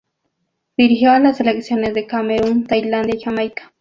Dirigió a las selecciones de Camerún, Tailandia y Jamaica.